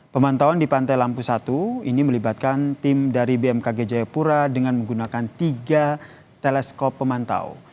pemantauan di pantai lampu satu ini melibatkan tim dari bmkg jayapura dengan menggunakan tiga teleskop pemantau